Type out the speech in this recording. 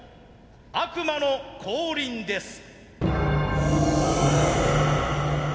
悪魔の降臨です。